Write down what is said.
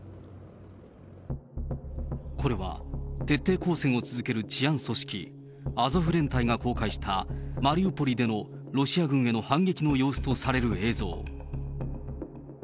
これは、徹底抗戦を続ける治安組織、アゾフ連隊が公開した、マリウポリでのロシア軍への反撃の様子とされる映像。